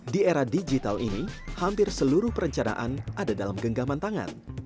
di era digital ini hampir seluruh perencanaan ada dalam genggaman tangan